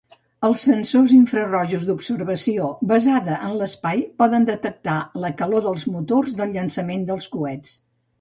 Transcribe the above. Els sensors infrarojos d'observació basada en l'espai poden detectar la calor dels motors de llançament dels coets.